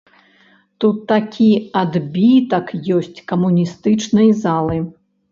Тут такі адбітак ёсць камуністычнай залы.